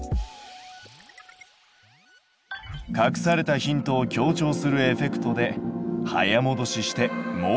隠されたヒントを強調するエフェクトで早もどししてもう一度見てみよう。